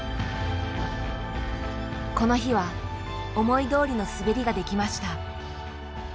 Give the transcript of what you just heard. この日は思いどおりの滑りができました。